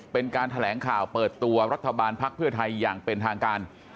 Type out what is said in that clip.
เป็นการแถลงข่าวเปิดตัวรัฐบาลภักดิ์เพื่อไทยอย่างเป็นทางการ